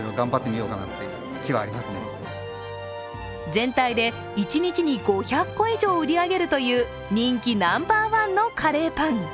全体で一日に５００個以上売り上げるという人気ナンバーワンのカレーパン。